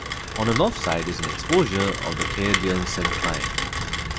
On the north side is an exposure of the Caerdion Syncline.